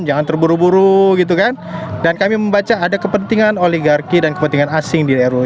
jangan terburu buru gitu kan dan kami membaca ada kepentingan oligarki dan kepentingan asing di ruu